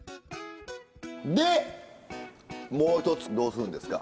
でもう一つどうするんですか？